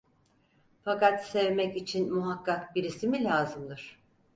Fakat sevmek için muhakkak birisi mi lazımdır?